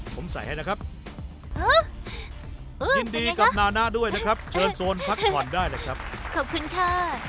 ผมใส่ให้นะครับยินดีกับนานะด้วยนะครับเชิญโซนพักผ่อนได้เลยครับขอบคุณค่ะ